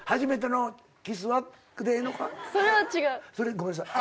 ごめんなさい。